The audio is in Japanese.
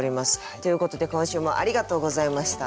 ということで今週もありがとうございました。